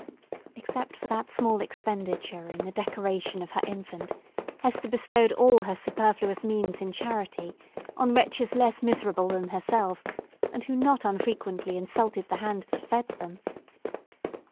Except for that small expenditure in the decoration of her infant, Hester bestowed all her superfluous means in charity, on wretches less miserable than herself, and who not unfrequently insulted the hand that fed them.